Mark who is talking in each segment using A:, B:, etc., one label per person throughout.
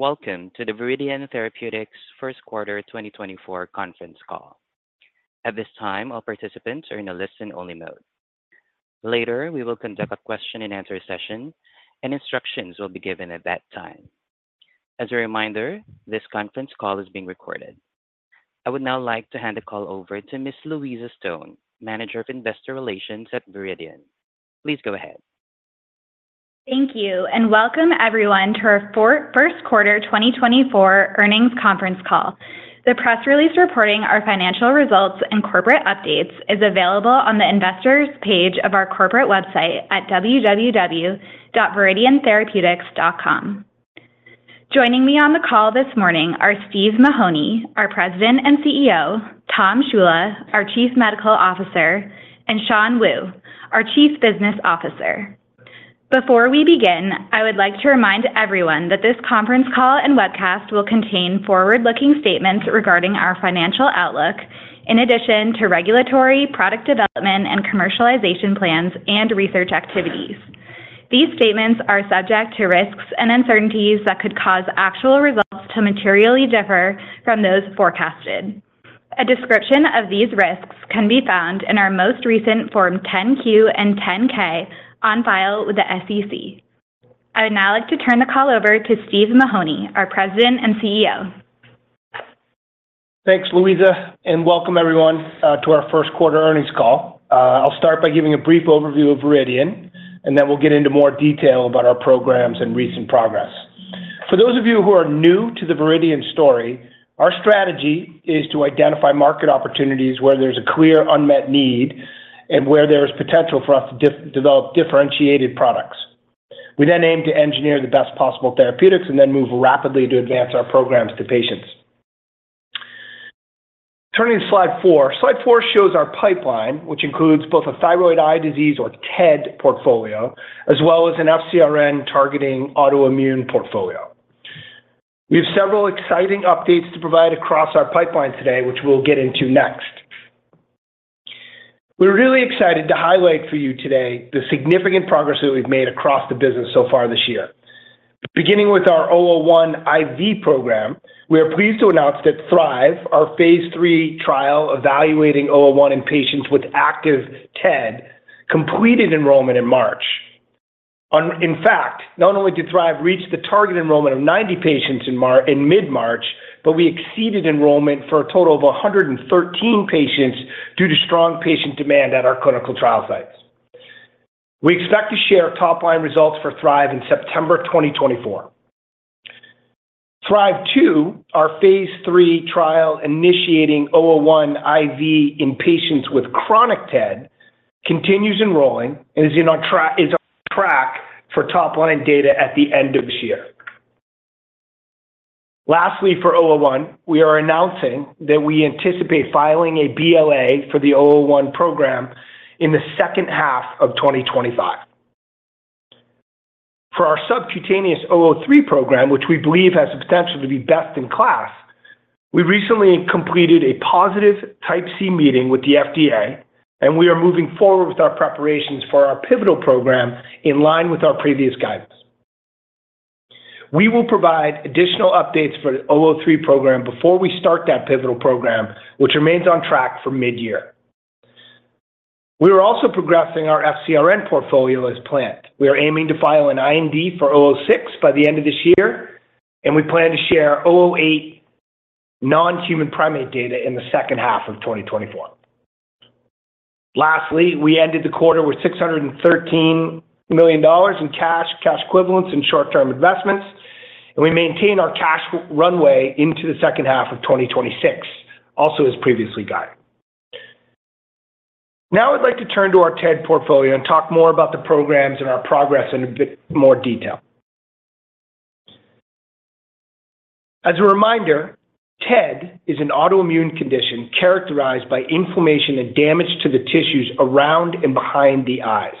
A: Welcome to the Viridian Therapeutics first quarter 2024 conference call. At this time, all participants are in a listen-only mode. Later, we will conduct a question-and-answer session, and instructions will be given at that time. As a reminder, this conference call is being recorded. I would now like to hand the call over to Ms. Louisa Stone, Manager of Investor Relations at Viridian. Please go ahead.
B: Thank you, and welcome everyone to our first quarter 2024 earnings conference call. The press release reporting our financial results and corporate updates is available on the investors' page of our corporate website at www.viridiantherapeutics.com. Joining me on the call this morning are Steve Mahoney, our President and CEO; Tom Ciulla, our Chief Medical Officer; and Shan Wu, our Chief Business Officer. Before we begin, I would like to remind everyone that this conference call and webcast will contain forward-looking statements regarding our financial outlook, in addition to regulatory, product development, and commercialization plans and research activities. These statements are subject to risks and uncertainties that could cause actual results to materially differ from those forecasted. A description of these risks can be found in our most recent Form 10-Q and 10-K on file with the SEC. I would now like to turn the call over to Steve Mahoney, our President and CEO.
C: Thanks, Louisa, and welcome everyone to our first quarter earnings call. I'll start by giving a brief overview of Viridian, and then we'll get into more detail about our programs and recent progress. For those of you who are new to the Viridian story, our strategy is to identify market opportunities where there's a clear unmet need and where there's potential for us to develop differentiated products. We then aim to engineer the best possible therapeutics and then move rapidly to advance our programs to patients. Turning to slide four, slide four shows our pipeline, which includes both a Thyroid Eye Disease or TED portfolio as well as an FcRn targeting autoimmune portfolio. We have several exciting updates to provide across our pipeline today, which we'll get into next. We're really excited to highlight for you today the significant progress that we've made across the business so far this year. Beginning with our 001 IV program, we are pleased to announce that THRIVE, our phase 3 trial evaluating 001 in patients with active TED, completed enrollment in March. In fact, not only did THRIVE reach the target enrollment of 90 patients in mid-March, but we exceeded enrollment for a total of 113 patients due to strong patient demand at our clinical trial sites. We expect to share top-line results for THRIVE in September 2024. THRIVE-2, our phase 3 trial initiating 001 IV in patients with chronic TED, continues enrolling and is on track for top-line data at the end of this year. Lastly, for 001, we are announcing that we anticipate filing a BLA for the 001 program in the second half of 2025. For our subcutaneous 003 program, which we believe has the potential to be best in class, we recently completed a positive Type C meeting with the FDA, and we are moving forward with our preparations for our pivotal program in line with our previous guidance. We will provide additional updates for the 003 program before we start that pivotal program, which remains on track for mid-year. We are also progressing our FcRn portfolio as planned. We are aiming to file an IND for 006 by the end of this year, and we plan to share 008 non-human primate data in the second half of 2024. Lastly, we ended the quarter with $613 million in cash, cash equivalents, and short-term investments, and we maintain our cash runway into the second half of 2026, also as previously guided. Now I'd like to turn to our TED portfolio and talk more about the programs and our progress in a bit more detail. As a reminder, TED is an autoimmune condition characterized by inflammation and damage to the tissues around and behind the eyes.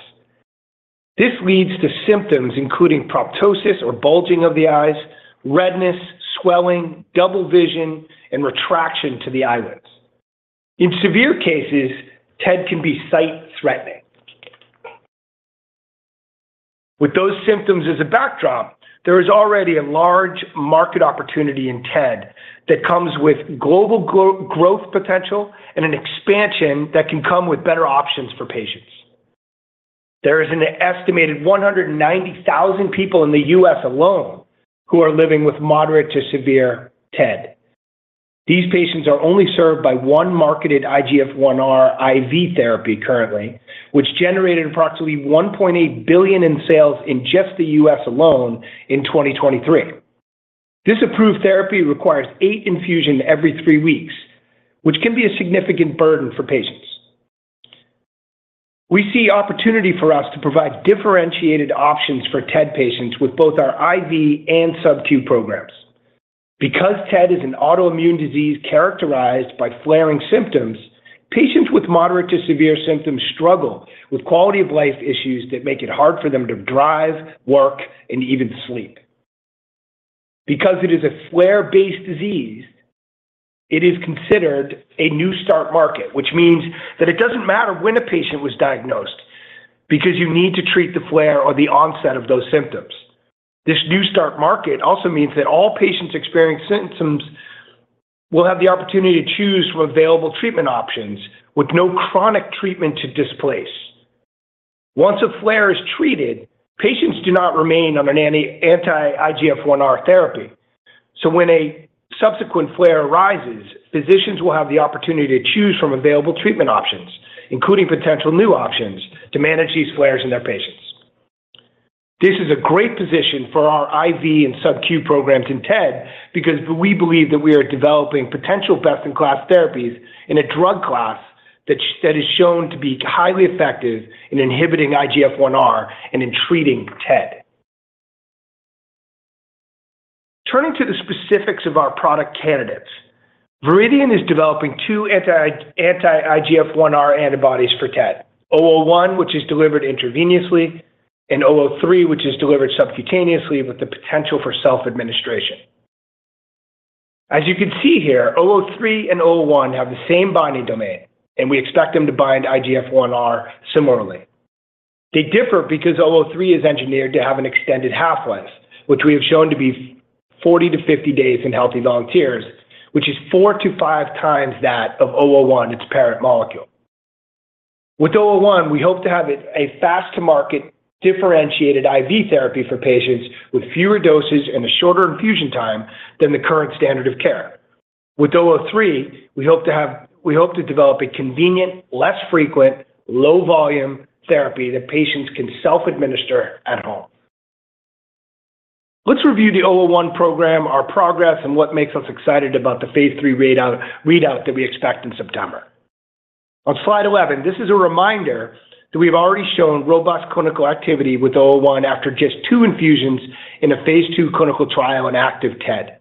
C: This leads to symptoms including proptosis or bulging of the eyes, redness, swelling, double vision, and retraction to the eyelids. In severe cases, TED can be sight-threatening. With those symptoms as a backdrop, there is already a large market opportunity in TED that comes with global growth potential and an expansion that can come with better options for patients. There is an estimated 190,000 people in the U.S. alone who are living with moderate to severe TED. These patients are only served by one marketed IGF-1R IV therapy currently, which generated approximately $1.8 billion in sales in just the U.S. alone in 2023. This approved therapy requires 8 infusions every 3 weeks, which can be a significant burden for patients. We see opportunity for us to provide differentiated options for TED patients with both our IV and subcu programs. Because TED is an autoimmune disease characterized by flaring symptoms, patients with moderate to severe symptoms struggle with quality of life issues that make it hard for them to drive, work, and even sleep. Because it is a flare-based disease, it is considered a new start market, which means that it doesn't matter when a patient was diagnosed because you need to treat the flare or the onset of those symptoms. This new start market also means that all patients experiencing symptoms will have the opportunity to choose from available treatment options with no chronic treatment to displace. Once a flare is treated, patients do not remain on an anti-IGF-1R therapy. So when a subsequent flare arises, physicians will have the opportunity to choose from available treatment options, including potential new options, to manage these flares in their patients. This is a great position for our IV and subcu programs in TED because we believe that we are developing potential best-in-class therapies in a drug class that is shown to be highly effective in inhibiting IGF-1R and in treating TED. Turning to the specifics of our product candidates, Viridian is developing two anti-IGF-1R antibodies for TED: VRDN-001, which is delivered intravenously, and VRDN-003, which is delivered subcutaneously with the potential for self-administration. As you can see here, VRDN-003 and VRDN-001 have the same binding domain, and we expect them to bind IGF-1R similarly. They differ because 003 is engineered to have an extended half-life, which we have shown to be 40-50 days in healthy volunteers, which is 4-5 times that of 001, its parent molecule. With 001, we hope to have a fast-to-market differentiated IV therapy for patients with fewer doses and a shorter infusion time than the current standard of care. With 003, we hope to develop a convenient, less frequent, low-volume therapy that patients can self-administer at home. Let's review the 001 program, our progress, and what makes us excited about the phase 3 readout that we expect in September. On slide 11, this is a reminder that we have already shown robust clinical activity with 001 after just 2 infusions in a phase 2 clinical trial in active TED.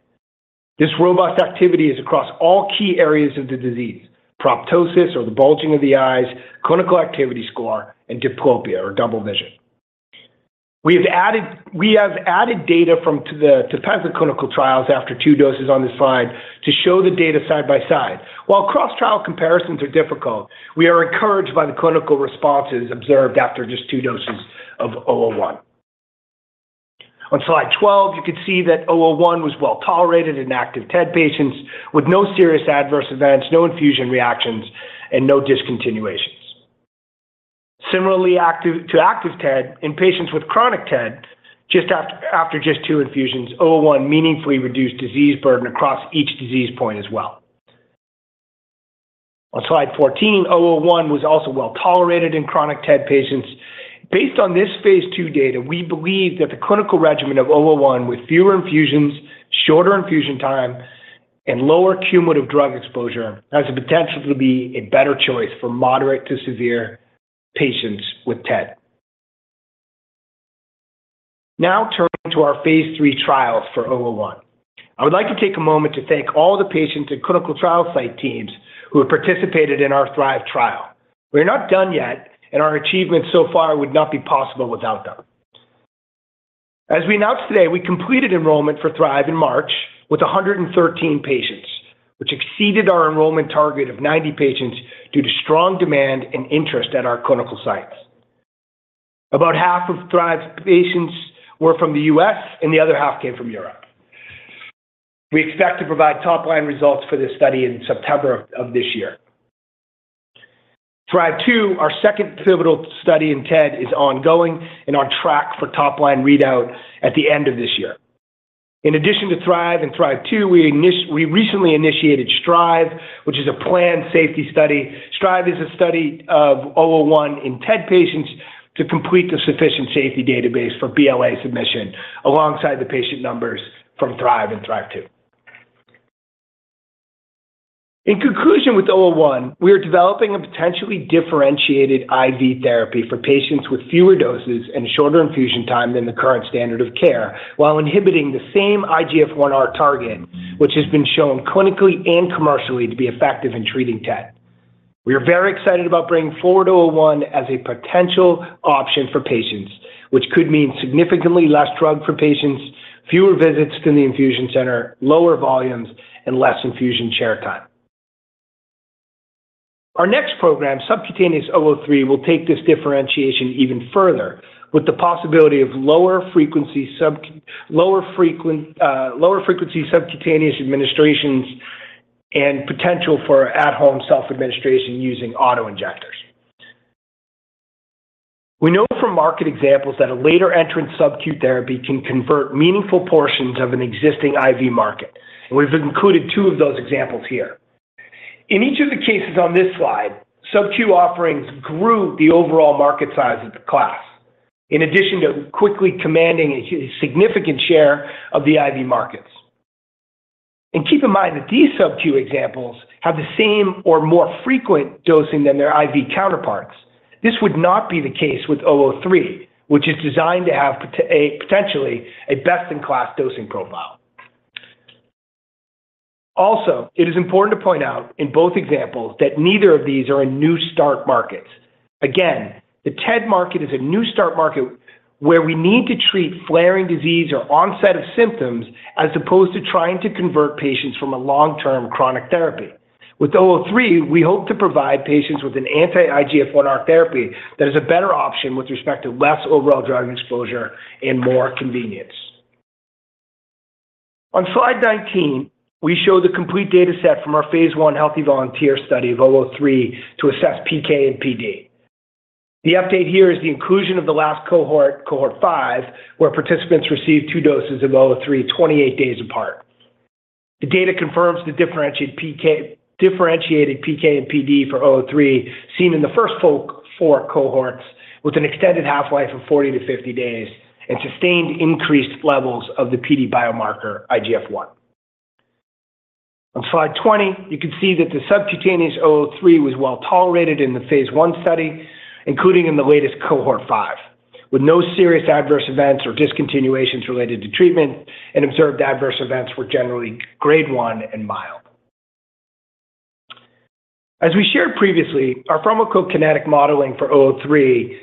C: This robust activity is across all key areas of the disease: proptosis or the bulging of the eyes, clinical activity score, and diplopia or double vision. We have added data from the TEPEZZA clinical trials after 2 doses on this slide to show the data side by side. While cross-trial comparisons are difficult, we are encouraged by the clinical responses observed after just 2 doses of 001. On slide 12, you can see that 001 was well-tolerated in active TED patients with no serious adverse events, no infusion reactions, and no discontinuations. Similarly to active TED, in patients with chronic TED, just after 2 infusions, 001 meaningfully reduced disease burden across each disease point as well. On slide 14, 001 was also well-tolerated in chronic TED patients. Based on this phase 2 data, we believe that the clinical regimen of 001 with fewer infusions, shorter infusion time, and lower cumulative drug exposure has the potential to be a better choice for moderate to severe patients with TED. Now turning to our phase 3 trials for 001. I would like to take a moment to thank all the patients and clinical trial site teams who have participated in our THRIVE trial. We are not done yet, and our achievements so far would not be possible without them. As we announced today, we completed enrollment for THRIVE in March with 113 patients, which exceeded our enrollment target of 90 patients due to strong demand and interest at our clinical sites. About half of THRIVE's patients were from the U.S., and the other half came from Europe. We expect to provide top-line results for this study in September of this year. THRIVE-2, our second pivotal study in TED, is ongoing and on track for top-line readout at the end of this year. In addition to THRIVE and THRIVE-2, we recently initiated STRIVE, which is a planned safety study. STRIVE is a study of 001 in TED patients to complete the sufficient safety database for BLA submission alongside the patient numbers from THRIVE and THRIVE-2. In conclusion with 001, we are developing a potentially differentiated IV therapy for patients with fewer doses and shorter infusion time than the current standard of care while inhibiting the same IGF-1R target, which has been shown clinically and commercially to be effective in treating TED. We are very excited about bringing forward 001 as a potential option for patients, which could mean significantly less drug for patients, fewer visits to the infusion center, lower volumes, and less infusion chair time. Our next program, subcutaneous 003, will take this differentiation even further with the possibility of lower-frequency subcutaneous administrations and potential for at-home self-administration using autoinjectors. We know from market examples that a later entrant subcu therapy can convert meaningful portions of an existing IV market, and we've included two of those examples here. In each of the cases on this slide, subcu offerings grew the overall market size of the class in addition to quickly commanding a significant share of the IV markets. Keep in mind that these subcu examples have the same or more frequent dosing than their IV counterparts. This would not be the case with 003, which is designed to have potentially a best-in-class dosing profile. Also, it is important to point out in both examples that neither of these are in new start markets. Again, the TED market is a new start market where we need to treat flaring disease or onset of symptoms as opposed to trying to convert patients from a long-term chronic therapy. With 003, we hope to provide patients with an anti-IGF-1R therapy that is a better option with respect to less overall drug exposure and more convenience. On slide 19, we show the complete dataset from our phase 1 healthy volunteer study of 003 to assess PK and PD. The update here is the inclusion of the last cohort, cohort 5, where participants received 2 doses of 003 28 days apart. The data confirms the differentiated PK and PD for 003 seen in the first four cohorts with an extended half-life of 40-50 days and sustained increased levels of the PD biomarker IGF-1. On slide 20, you can see that the subcutaneous 003 was well-tolerated in the phase 1 study, including in the latest cohort 5, with no serious adverse events or discontinuations related to treatment, and observed adverse events were generally grade 1 and mild. As we shared previously, our pharmacokinetic modeling for 003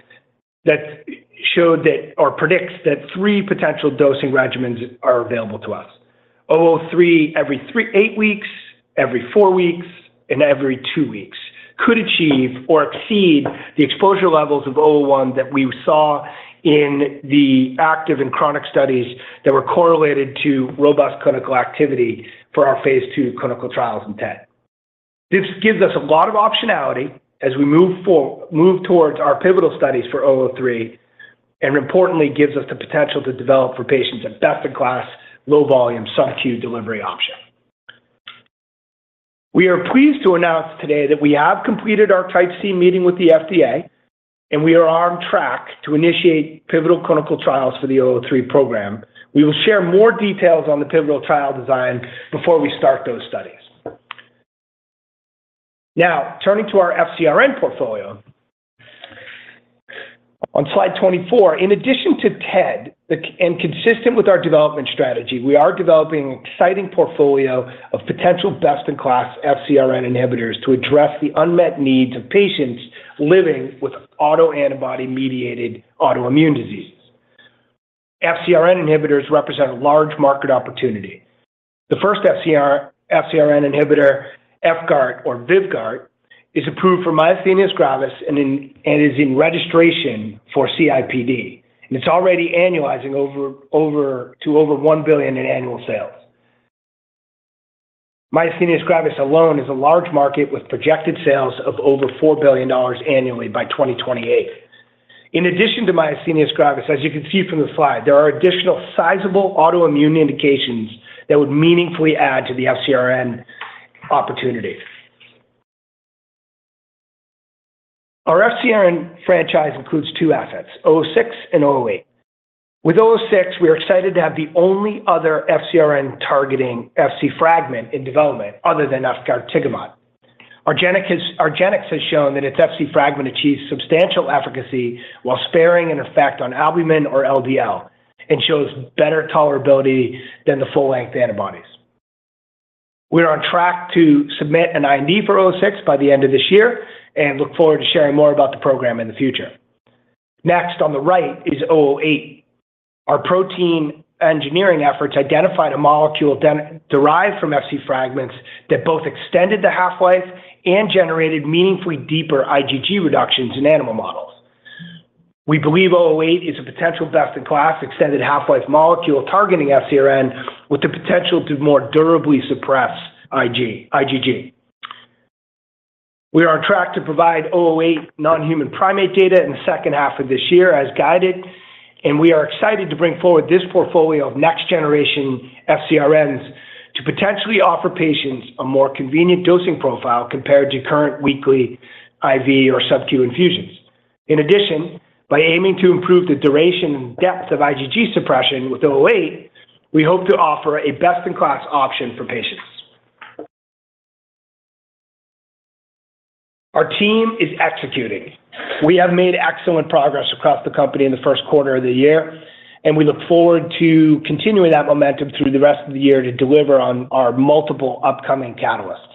C: showed or predicts that three potential dosing regimens are available to us: 003 every eight weeks, every four weeks, and every two weeks could achieve or exceed the exposure levels of 001 that we saw in the active and chronic studies that were correlated to robust clinical activity for our phase 2 clinical trials in TED. This gives us a lot of optionality as we move towards our pivotal studies for 003 and, importantly, gives us the potential to develop for patients a best-in-class low-volume subcu delivery option. We are pleased to announce today that we have completed our Type C meeting with the FDA, and we are on track to initiate pivotal clinical trials for the 003 program. We will share more details on the pivotal trial design before we start those studies. Now turning to our FcRn portfolio. On slide 24, in addition to TED and consistent with our development strategy, we are developing an exciting portfolio of potential best-in-class FcRn inhibitors to address the unmet needs of patients living with autoantibody-mediated autoimmune diseases. FcRn inhibitors represent a large market opportunity. The first FcRn inhibitor, efgartigimod or VYVGART, is approved for myasthenia gravis and is in registration for CIDP, and it's already annualizing to over $1 billion in annual sales. Myasthenia gravis alone is a large market with projected sales of over $4 billion annually by 2028. In addition to myasthenia gravis, as you can see from the slide, there are additional sizable autoimmune indications that would meaningfully add to the FcRn opportunity. Our FcRn franchise includes two assets: 006 and 008. With 006, we are excited to have the only other FcRn-targeting Fc fragment in development other than efgartigimod. argenx has shown that its Fc fragment achieves substantial efficacy while sparing an effect on albumin or LDL and shows better tolerability than the full-length antibodies. We are on track to submit an IND for 006 by the end of this year and look forward to sharing more about the program in the future. Next on the right is 008. Our protein engineering efforts identified a molecule derived from Fc fragments that both extended the half-life and generated meaningfully deeper IgG reductions in animal models. We believe 008 is a potential best-in-class extended half-life molecule targeting FcRn with the potential to more durably suppress IgG. We are on track to provide 008 non-human primate data in the second half of this year as guided, and we are excited to bring forward this portfolio of next-generation FcRns to potentially offer patients a more convenient dosing profile compared to current weekly IV or subcu infusions. In addition, by aiming to improve the duration and depth of IgG suppression with 008, we hope to offer a best-in-class option for patients. Our team is executing. We have made excellent progress across the company in the first quarter of the year, and we look forward to continuing that momentum through the rest of the year to deliver on our multiple upcoming catalysts.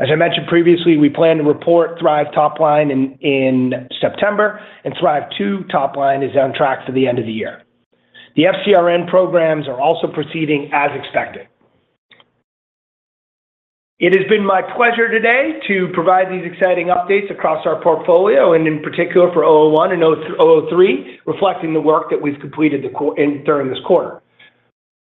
C: As I mentioned previously, we plan to report THRIVE top-line in September, and THRIVE-2 top-line is on track for the end of the year. The FcRn programs are also proceeding as expected. It has been my pleasure today to provide these exciting updates across our portfolio and, in particular, for 001 and 003, reflecting the work that we've completed during this quarter.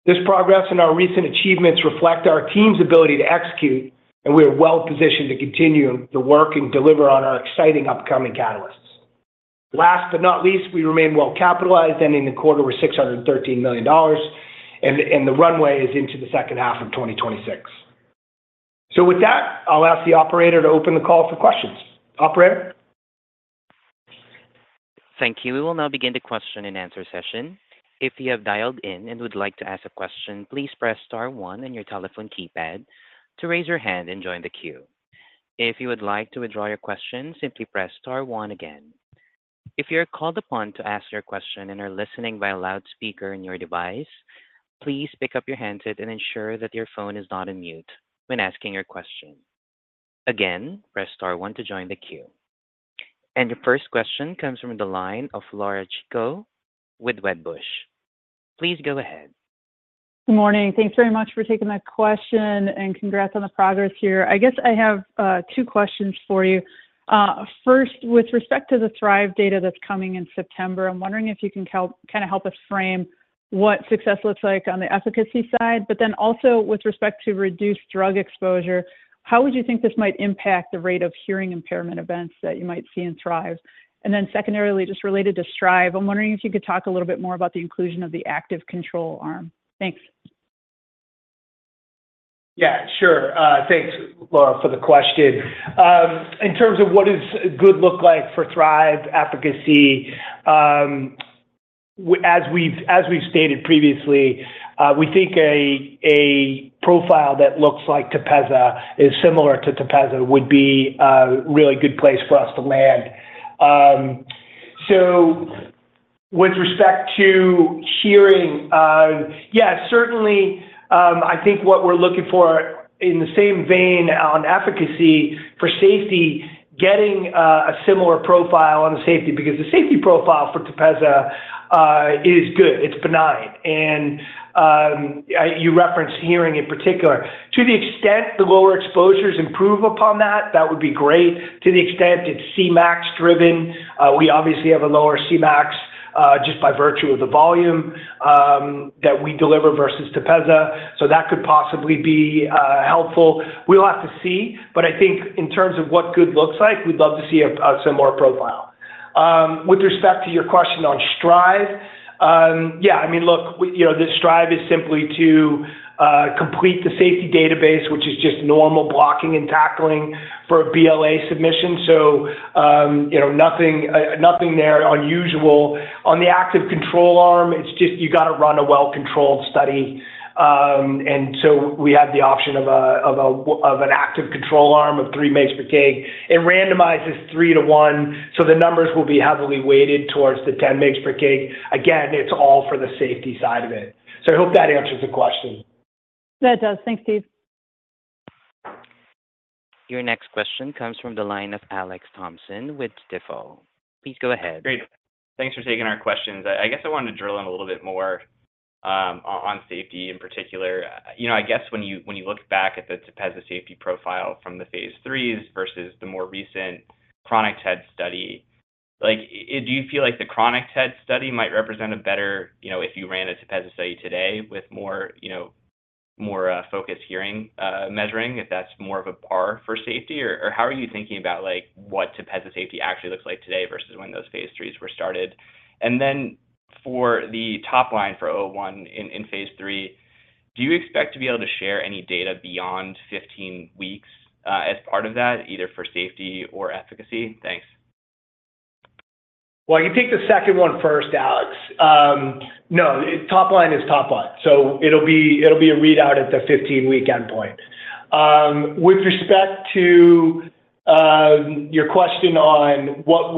C: This progress and our recent achievements reflect our team's ability to execute, and we are well-positioned to continue the work and deliver on our exciting upcoming catalysts. Last but not least, we remain well-capitalized ending the quarter with $613 million, and the runway is into the second half of 2026. So with that, I'll ask the operator to open the call for questions. Operator?
A: Thank you. We will now begin the question-and-answer session. If you have dialed in and would like to ask a question, please press star 1 on your telephone keypad to raise your hand and join the queue. If you would like to withdraw your question, simply press star 1 again. If you are called upon to ask your question and are listening via loudspeaker in your device, please pick up your handset and ensure that your phone is not on mute when asking your question. Again, press star 1 to join the queue. Your first question comes from the line of Laura Chico with Wedbush. Please go ahead.
D: Good morning. Thanks very much for taking that question, and congrats on the progress here. I guess I have two questions for you. First, with respect to the THRIVE data that's coming in September, I'm wondering if you can kind of help us frame what success looks like on the efficacy side, but then also with respect to reduced drug exposure, how would you think this might impact the rate of hearing impairment events that you might see in THRIVE? And then secondarily, just related to STRIVE, I'm wondering if you could talk a little bit more about the inclusion of the active control arm. Thanks.
C: Yeah, sure. Thanks, Laura, for the question. In terms of what does good look like for THRIVE efficacy, as we've stated previously, we think a profile that looks like TEPEZZA is similar to TEPEZZA would be a really good place for us to land. So with respect to hearing, yeah, certainly, I think what we're looking for in the same vein on efficacy for safety, getting a similar profile on the safety because the safety profile for TEPEZZA is good. It's benign. And you referenced hearing in particular. To the extent the lower exposures improve upon that, that would be great. To the extent it's CMAX-driven, we obviously have a lower CMAX just by virtue of the volume that we deliver versus TEPEZZA. So that could possibly be helpful. We'll have to see, but I think in terms of what good looks like, we'd love to see a similar profile. With respect to your question on STRIVE, yeah, I mean, look, STRIVE is simply to complete the safety database, which is just normal blocking and tackling for a BLA submission, so nothing there unusual. On the active control arm, it's just you got to run a well-controlled study. And so we have the option of an active control arm of 3 mg/kg. It randomizes 3 to 1, so the numbers will be heavily weighted towards the 10 mg/kg. Again, it's all for the safety side of it. So I hope that answers the question.
D: That does. Thanks, Steve.
A: Your next question comes from the line of Alex Thompson with Stifel. Please go ahead.
E: Great. Thanks for taking our questions. I guess I wanted to drill in a little bit more on safety in particular. I guess when you look back at the TEPEZZA safety profile from the phase 3s versus the more recent chronic TED study, do you feel like the chronic TED study might represent a better if you ran a TEPEZZA study today with more focused hearing measuring, if that's more of a par for safety? Or how are you thinking about what TEPEZZA safety actually looks like today versus when those phase 3s were started? And then for the top line for 001 in phase 3, do you expect to be able to share any data beyond 15 weeks as part of that, either for safety or efficacy? Thanks.
C: Well, you take the second one first, Alex. No, top line is top line. So it'll be a readout at the 15-week endpoint. With respect to your question on what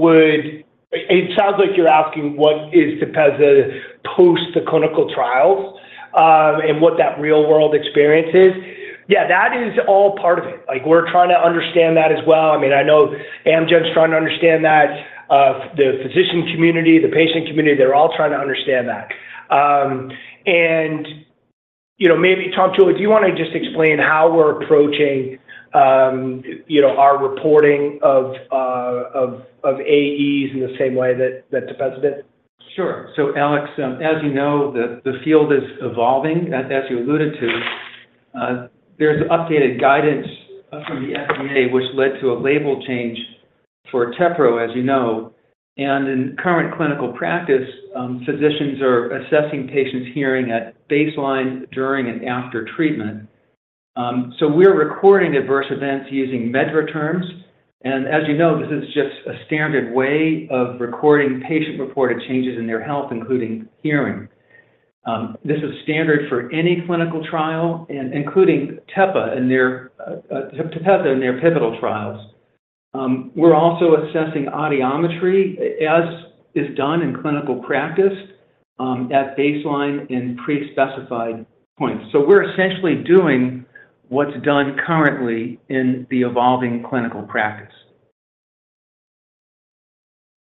C: it sounds like you're asking what is TEPEZZA post the clinical trials and what that real-world experience is. Yeah, that is all part of it. We're trying to understand that as well. I mean, I know Amgen's trying to understand that. The physician community, the patient community, they're all trying to understand that. And maybe, Tom Ciulla, do you want to just explain how we're approaching our reporting of AEs in the same way that TEPEZZA did?
F: Sure. So, Alex, as you know, the field is evolving. As you alluded to, there's updated guidance from the FDA, which led to a label change for TEPEZZA, as you know. And in current clinical practice, physicians are assessing patients' hearing at baseline during and after treatment. So we're recording adverse events using MedDRA terms. And as you know, this is just a standard way of recording patient-reported changes in their health, including hearing. This is standard for any clinical trial, including TEPEZZA and their pivotal trials. We're also assessing audiometry, as is done in clinical practice, at baseline and prespecified points. So we're essentially doing what's done currently in the evolving clinical practice.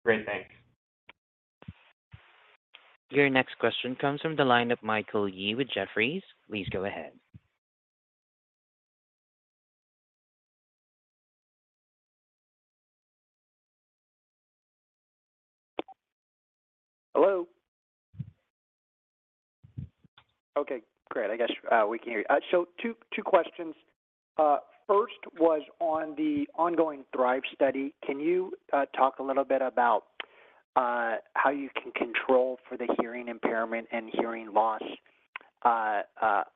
E: Great. Thanks.
A: Your next question comes from the line of Michael Yee with Jefferies. Please go ahead.
G: Hello? Okay. Great. I guess we can hear you. So two questions. First was on the ongoing THRIVE study. Can you talk a little bit about how you can control for the hearing impairment and hearing loss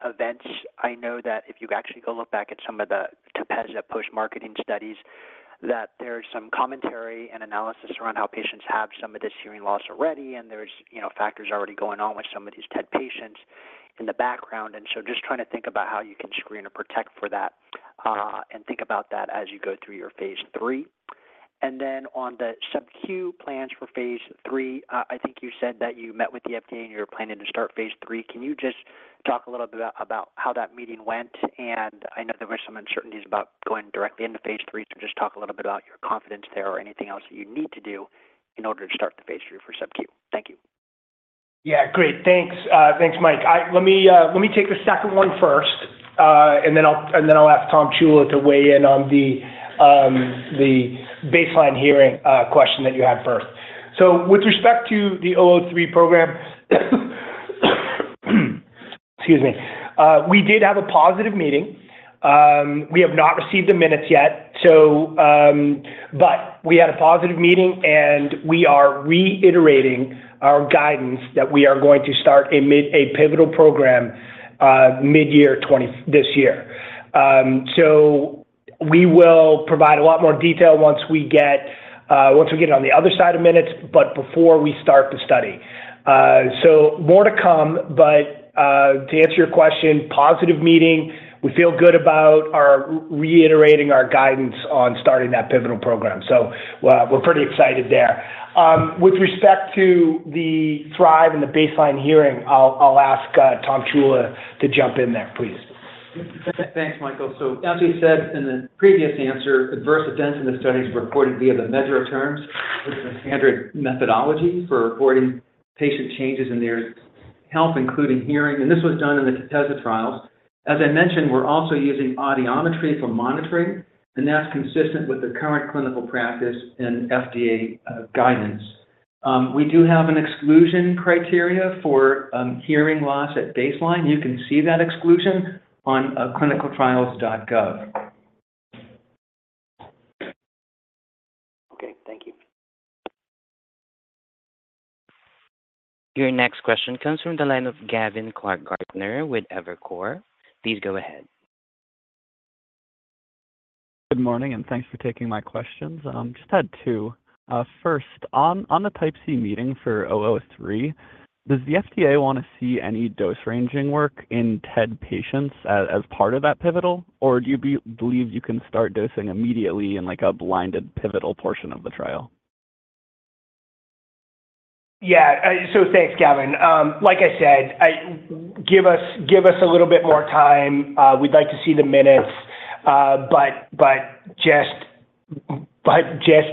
G: events? I know that if you actually go look back at some of the TEPEZZA post-marketing studies, that there's some commentary and analysis around how patients have some of this hearing loss already, and there's factors already going on with some of these TED patients in the background. And so just trying to think about how you can screen or protect for that and think about that as you go through your phase 3. And then on the subcu plans for phase 3, I think you said that you met with the FDA and you're planning to start phase 3. Can you just talk a little bit about how that meeting went? I know there were some uncertainties about going directly into phase 3, so just talk a little bit about your confidence there or anything else that you need to do in order to start the phase 3 for subcu? Thank you.
C: Yeah, great. Thanks. Thanks, Mike. Let me take the second one first, and then I'll ask Tom Ciulla to weigh in on the baseline hearing question that you had first. So with respect to the 003 program, excuse me. We did have a positive meeting. We have not received the minutes yet, but we had a positive meeting, and we are reiterating our guidance that we are going to start a pivotal program mid-year this year. So we will provide a lot more detail once we get it on the other side of minutes, but before we start the study. So more to come. But to answer your question, positive meeting. We feel good about reiterating our guidance on starting that pivotal program. So we're pretty excited there. With respect to the THRIVE and the baseline hearing, I'll ask Tom Ciulla to jump in there, please.
F: Thanks, Michael. So as we said in the previous answer, adverse events in the studies were reported via the MedDRA terms, which is a standard methodology for reporting patient changes in their health, including hearing. This was done in the TEPEZZA trials. As I mentioned, we're also using audiometry for monitoring, and that's consistent with the current clinical practice and FDA guidance. We do have an exclusion criteria for hearing loss at baseline. You can see that exclusion on clinicaltrials.gov.
H: Okay. Thank you.
A: Your next question comes from the line of Gavin Clark-Gartner with Evercore. Please go ahead.
I: Good morning, and thanks for taking my questions. Just had two. First, on the Type C Meeting for 003, does the FDA want to see any dose-ranging work in TED patients as part of that pivotal, or do you believe you can start dosing immediately in a blinded pivotal portion of the trial?
C: Yeah. So thanks, Gavin. Like I said, give us a little bit more time. We'd like to see the minutes, but just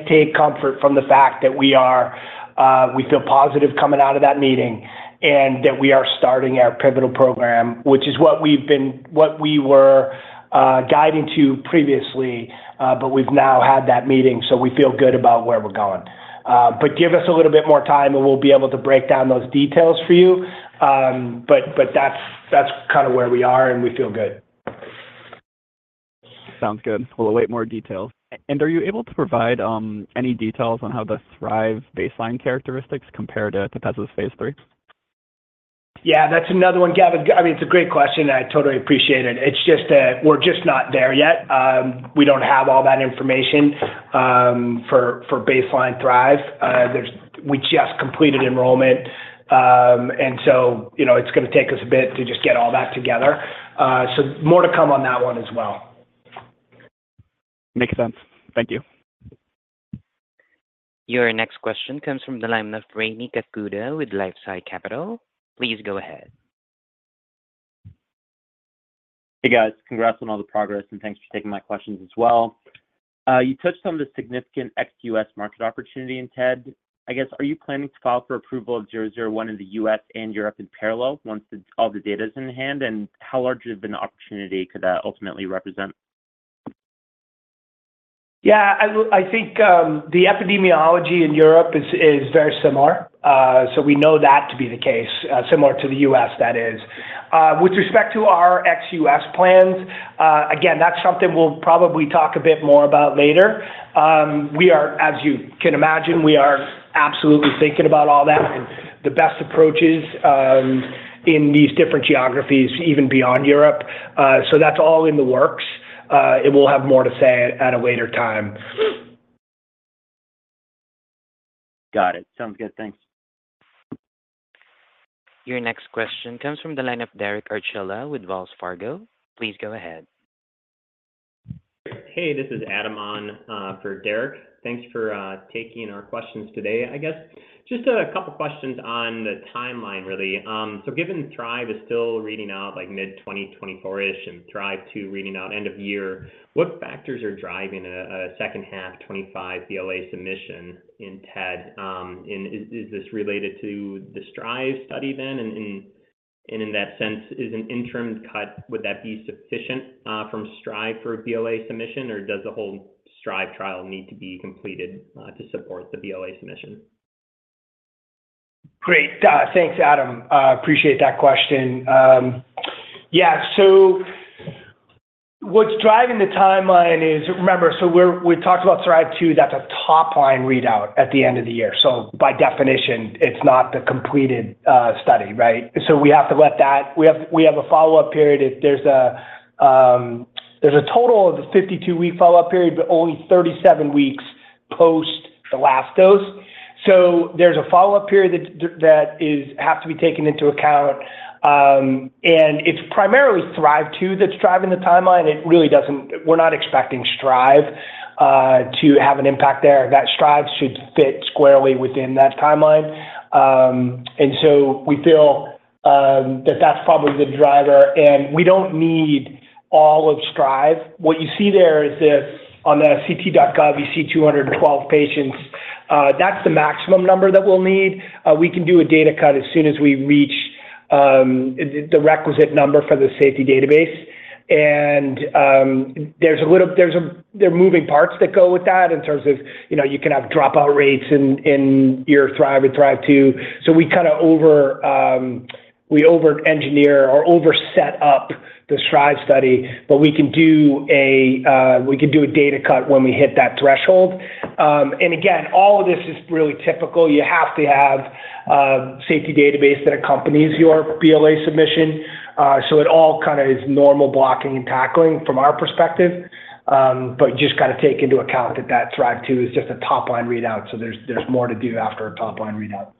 C: take comfort from the fact that we feel positive coming out of that meeting and that we are starting our pivotal program, which is what we were guiding to previously, but we've now had that meeting, so we feel good about where we're going. But give us a little bit more time, and we'll be able to break down those details for you. But that's kind of where we are, and we feel good.
I: Sounds good. We'll await more details. Are you able to provide any details on how the THRIVE baseline characteristics compare to TEPEZZA's Phase 3?
C: Yeah, that's another one, Gavin. I mean, it's a great question, and I totally appreciate it. We're just not there yet. We don't have all that information for baseline THRIVE. We just completed enrollment, and so it's going to take us a bit to just get all that together. So more to come on that one as well.
I: Makes sense. Thank you.
A: Your next question comes from the line of Rami Katkhuda with LifeSci Capital. Please go ahead.
J: Hey, guys. Congrats on all the progress, and thanks for taking my questions as well. You touched on the significant ex-U.S. market opportunity in TED. I guess, are you planning to file for approval of 001 in the U.S. and Europe in parallel once all the data is in hand, and how large of an opportunity could that ultimately represent?
C: Yeah, I think the epidemiology in Europe is very similar, so we know that to be the case, similar to the U.S., that is. With respect to our ex-US plans, again, that's something we'll probably talk a bit more about later. As you can imagine, we are absolutely thinking about all that and the best approaches in these different geographies, even beyond Europe. So that's all in the works. It will have more to say at a later time.
J: Got it. Sounds good. Thanks.
A: Your next question comes from the line of Derek Archila with Wells Fargo. Please go ahead.
K: Hey, this is Adam Ohm for Derek. Thanks for taking our questions today, I guess. Just a couple of questions on the timeline, really. So given THRIVE is still reading out mid-2024-ish and THRIVE-2 reading out end of year, what factors are driving a second-half 2025 BLA submission in TED? And is this related to the STRIVE study then? And in that sense, is an interim cut, would that be sufficient from STRIVE for a BLA submission, or does the whole STRIVE trial need to be completed to support the BLA submission?
C: Great. Thanks, Adam. Appreciate that question. Yeah, so what's driving the timeline is remember, so we talked about THRIVE-2. That's a top-line readout at the end of the year. So by definition, it's not the completed study, right? So we have to let that we have a follow-up period. There's a total of a 52-week follow-up period, but only 37 weeks post the last dose. So there's a follow-up period that has to be taken into account. It's primarily THRIVE-2 that's driving the timeline. We're not expecting THRIVE to have an impact there. That THRIVE should fit squarely within that timeline. So we feel that that's probably the driver. We don't need all of THRIVE. What you see there is on the ct.gov, you see 212 patients. That's the maximum number that we'll need. We can do a data cut as soon as we reach the requisite number for the safety database. And there are moving parts that go with that in terms of you can have dropout rates in your THRIVE or THRIVE-2. So we kind of over-engineer or overset up the STRIVE study, but we can do a data cut when we hit that threshold. And again, all of this is really typical. You have to have a safety database that accompanies your BLA submission. So it all kind of is normal blocking and tackling from our perspective, but just kind of take into account that THRIVE-2 is just a top-line readout. So there's more to do after a top-line readout,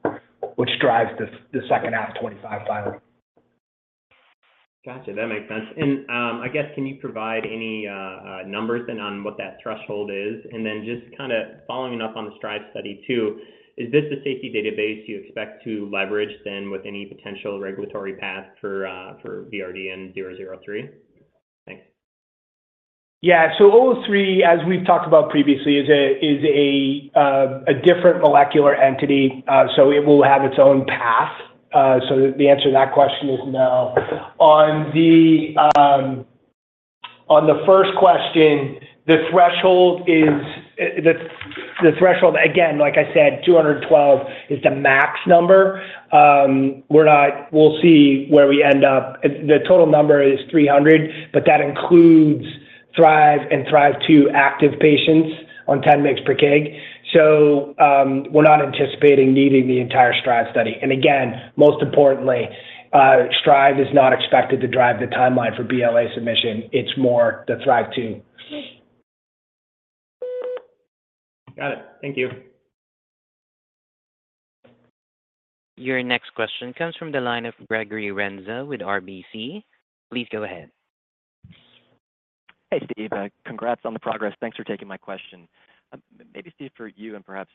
C: which drives the second-half 2025 filing.
K: Gotcha. That makes sense. I guess, can you provide any numbers then on what that threshold is? Then just kind of following up on the STRIVE study too, is this a safety database you expect to leverage then with any potential regulatory path for VRDN-003? Thanks.
C: Yeah. So 003, as we've talked about previously, is a different molecular entity. So it will have its own path. So the answer to that question is no. On the first question, the threshold is the threshold, again, like I said, 212 is the max number. We'll see where we end up. The total number is 300, but that includes THRIVE and THRIVE-2 active patients on 10 mg/kg. So we're not anticipating needing the entire THRIVE study. And again, most importantly, THRIVE is not expected to drive the timeline for BLA submission. It's more the THRIVE-2.
K: Got it. Thank you.
A: Your next question comes from the line of Gregory Renza with RBC. Please go ahead.
L: Hey, Steve. Congrats on the progress. Thanks for taking my question. Maybe, Steve, for you and perhaps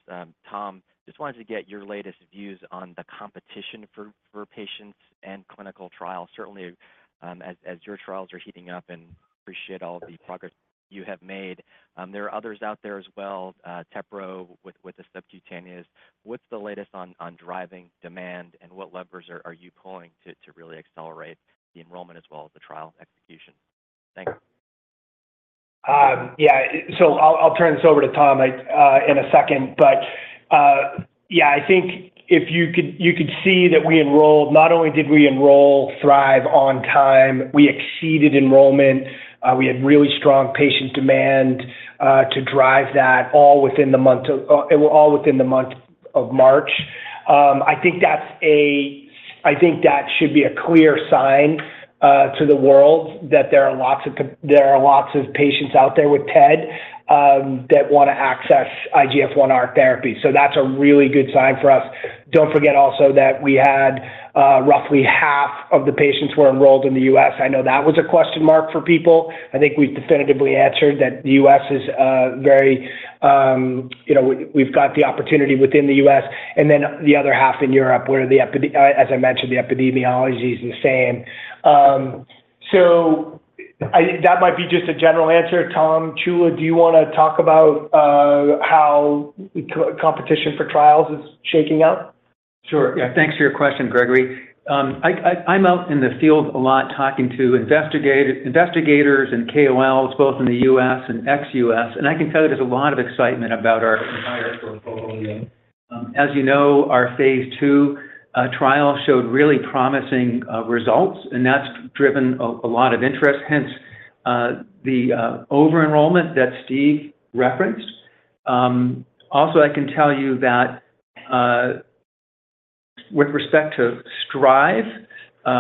L: Tom, just wanted to get your latest views on the competition for patients and clinical trials, certainly as your trials are heating up, and appreciate all the progress you have made. There are others out there as well, TEPEZZA with the subcutaneous. What's the latest on driving demand, and what levers are you pulling to really accelerate the enrollment as well as the trial execution? Thanks.
C: Yeah. So I'll turn this over to Tom in a second. But yeah, I think if you could see that we enrolled, not only did we enroll STRIVE on time, we exceeded enrollment. We had really strong patient demand to drive that all within the month it was all within the month of March. I think that should be a clear sign to the world that there are lots of patients out there with TED that want to access IGF-1R therapy. So that's a really good sign for us. Don't forget also that we had roughly half of the patients who were enrolled in the US. I know that was a question mark for people. I think we've definitively answered that the US is very we've got the opportunity within the US. And then the other half in Europe, where, as I mentioned, the epidemiology is the same. So that might be just a general answer. Tom Ciulla, do you want to talk about how competition for trials is shaking up?
F: Sure. Yeah. Thanks for your question, Gregory. I'm out in the field a lot talking to investigators and KOLs, both in the U.S. and ex-U.S. I can tell you there's a lot of excitement about our entire portfolio. As you know, our phase 2 trial showed really promising results, and that's driven a lot of interest, hence the over-enrollment that Steve referenced. Also, I can tell you that with respect to STRIVE,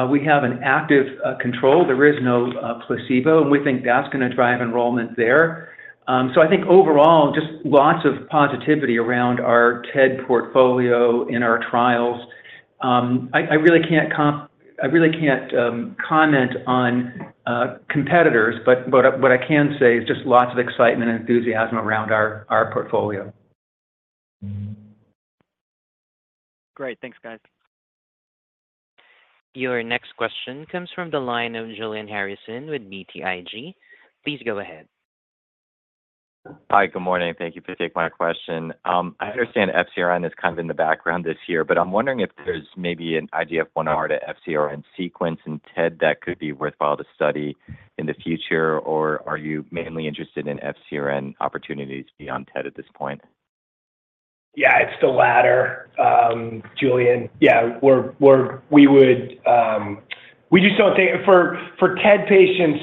F: we have an active control. There is no placebo, and we think that's going to drive enrollment there. I think overall, just lots of positivity around our TED portfolio in our trials. I really can't I really can't comment on competitors, but what I can say is just lots of excitement and enthusiasm around our portfolio.
L: Great. Thanks, guys.
A: Your next question comes from the line of Julian Harrison with BTIG. Please go ahead.
M: Hi. Good morning. Thank you for taking my question. I understand FcRn is kind of in the background this year, but I'm wondering if there's maybe an IGF-1R to FcRn sequence in TED that could be worthwhile to study in the future, or are you mainly interested in FcRn opportunities beyond TED at this point?
C: Yeah, it's the latter, Julian. Yeah, we just don't think for TED patients,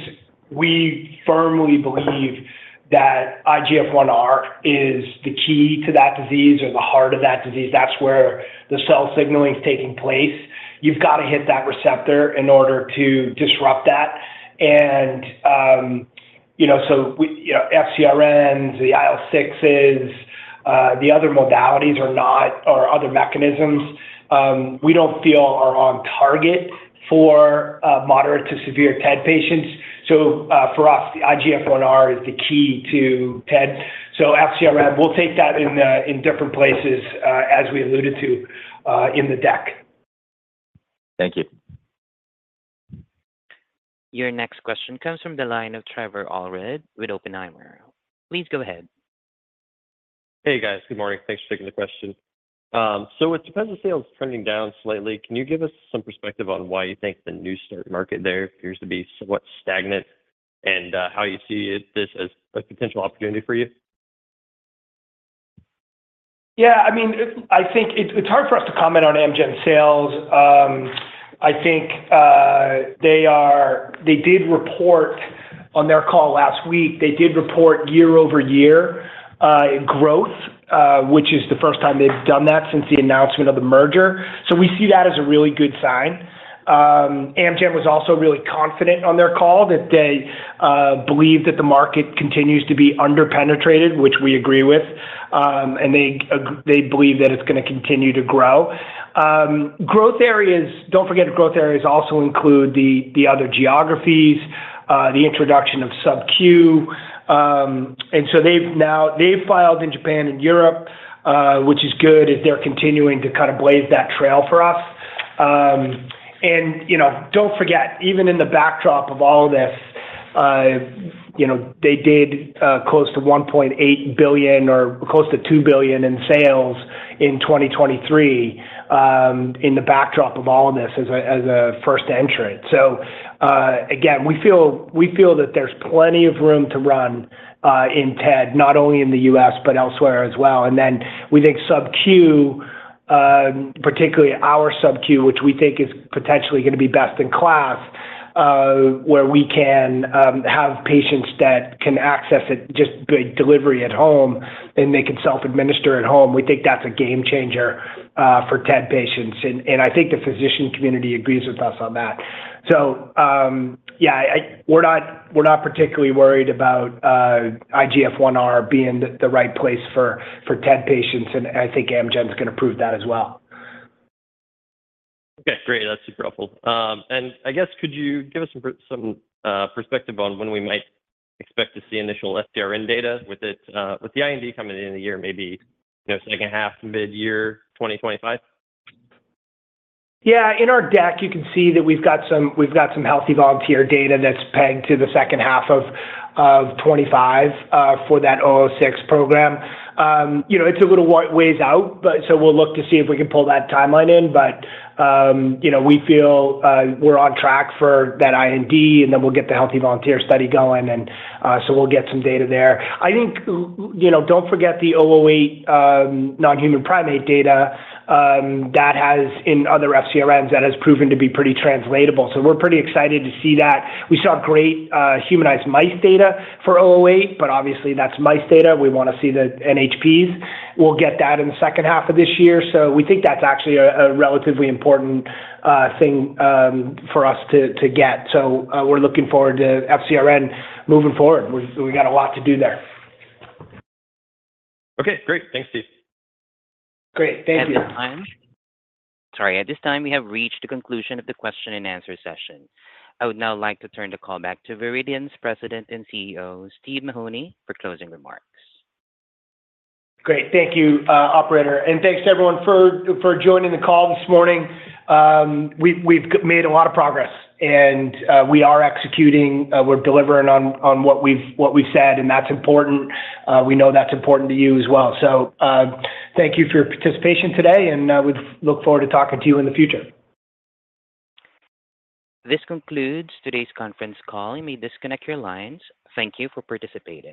C: we firmly believe that IGF-1R is the key to that disease or the heart of that disease. That's where the cell signaling's taking place. You've got to hit that receptor in order to disrupt that. And so FcRns, the IL-6s, the other modalities are not or other mechanisms, we don't feel are on target for moderate to severe TED patients. So for us, the IGF-1R is the key to TED. So FcRn, we'll take that in different places, as we alluded to, in the deck.
M: Thank you.
A: Your next question comes from the line of Trevor Allred with Oppenheimer. Please go ahead.
N: Hey, guys. Good morning. Thanks for taking the question. So with TEPEZZA sales trending down slightly, can you give us some perspective on why you think the new start market there appears to be somewhat stagnant and how you see this as a potential opportunity for you?
C: Yeah. I mean, I think it's hard for us to comment on Amgen sales. I think they did report on their call last week, they did report year-over-year growth, which is the first time they've done that since the announcement of the merger. So we see that as a really good sign. Amgen was also really confident on their call that they believed that the market continues to be under-penetrated, which we agree with, and they believe that it's going to continue to grow. Don't forget that growth areas also include the other geographies, the introduction of subQ. And so they've filed in Japan and Europe, which is good, as they're continuing to kind of blaze that trail for us. Don't forget, even in the backdrop of all of this, they did close to $1.8 billion or close to $2 billion in sales in 2023 in the backdrop of all of this as a first entrant. So again, we feel that there's plenty of room to run in TED, not only in the U.S. but elsewhere as well. Then we think subQ, particularly our subQ, which we think is potentially going to be best in class, where we can have patients that can access it just by delivery at home and they can self-administer at home, we think that's a game-changer for TED patients. And I think the physician community agrees with us on that. So yeah, we're not particularly worried about IGF-1R being the right place for TED patients, and I think Amgen's going to prove that as well.
N: Okay. Great. That's super helpful. And I guess, could you give us some perspective on when we might expect to see initial FcRn data with the IND coming in the year, maybe second half, mid-year 2025?
C: Yeah. In our deck, you can see that we've got some healthy volunteer data that's pegged to the second half of 2025 for that 006 program. It's a little ways out, so we'll look to see if we can pull that timeline in. But we feel we're on track for that IND, and then we'll get the healthy volunteer study going, and so we'll get some data there. I think, don't forget the 008 non-human primate data. In other FcRns, that has proven to be pretty translatable. So we're pretty excited to see that. We saw great humanized mice data for 008, but obviously, that's mice data. We want to see the NHPs. We'll get that in the second half of this year. So we think that's actually a relatively important thing for us to get. So we're looking forward to FcRn moving forward. We got a lot to do there.
N: Okay. Great. Thanks, Steve.
C: Great. Thank you.
A: At this time, we have reached the conclusion of the question-and-answer session. I would now like to turn the call back to Viridian's President and CEO, Steve Mahoney, for closing remarks.
C: Great. Thank you, operator. Thanks to everyone for joining the call this morning. We've made a lot of progress, and we are executing. We're delivering on what we've said, and that's important. We know that's important to you as well. Thank you for your participation today, and we look forward to talking to you in the future.
A: This concludes today's conference call. You may disconnect your lines. Thank you for participating.